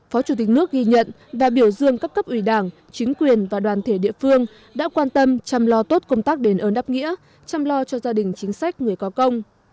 phó chủ tịch nước ghi nhận và biểu dương các cấp ủy đảng chính quyền và đoàn thể địa phương đã quan tâm chăm lo tốt công tác đền ơn đáp nghĩa chăm lo cho gia đình chính sách người có công